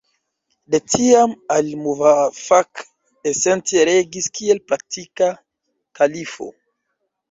De tiam, al-Muvafak esence regis kiel praktika kalifo.